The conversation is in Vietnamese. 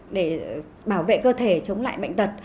để bảo vệ cơ thể chống lại bệnh tật